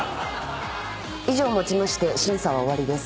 以上をもちまして審査は終わりです。